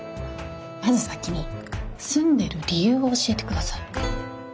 まず先に住んでる理由を教えてください。